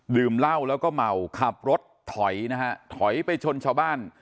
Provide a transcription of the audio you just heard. เหล้าแล้วก็เมาขับรถถอยนะฮะถอยไปชนชาวบ้าน